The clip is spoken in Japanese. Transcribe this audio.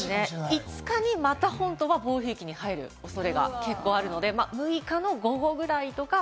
５日にまた本島は暴風域に入る可能性があるので、６日の午後ぐらいとか。